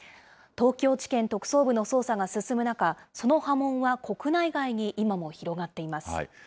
東京地検特捜部の捜査が進む中、その波紋は国内外に今も広がっています。